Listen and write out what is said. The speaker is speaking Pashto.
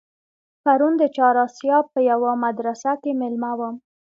پرون د چهار آسیاب په یوه مدرسه کې مېلمه وم.